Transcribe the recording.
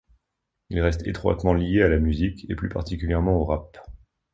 Il reste étroitement lié à la musique et plus particulièrement au rap.